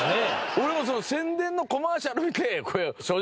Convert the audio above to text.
俺も宣伝のコマーシャル見て正直。